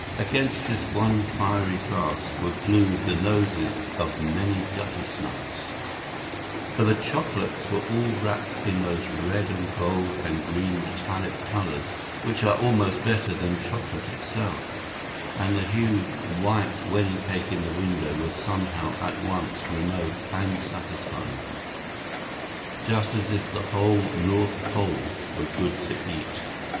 Against this one fiery glass were glued the noses of many gutter snipes, for the chocolates were all wrapped in those red and gold and green metallic colours which are almost better than chocolate itself; and the huge white wedding cake in the window was somehow at once remote and satisfying, just as if the whole North Pole were good to eat.